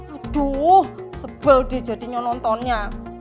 aduh sebel deh jadi nyonontonnya